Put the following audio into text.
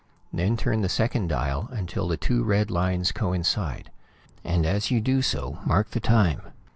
Then turn the second dial until the two red lines coincide, and as you do so, mark the time.